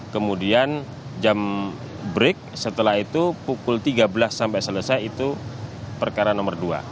kemudian jam break setelah itu pukul tiga belas sampai selesai itu perkara nomor dua